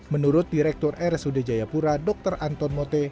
menurut direktur rsud jayapura dr anton mote